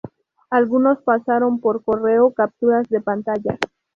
algunos pasaron por correo capturas de pantallas